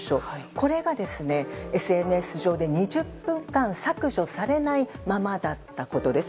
これがＳＮＳ上で２０分間削除されないままだったことです。